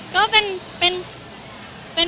ก็เป็น